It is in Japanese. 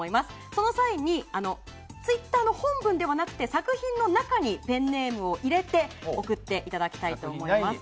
その際にツイッターの本文ではなくて作品の中にペンネームを入れて送っていただきたいと思います。